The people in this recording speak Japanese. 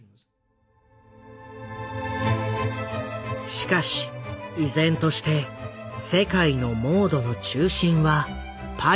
しかし依然として世界のモードの中心はパリだった。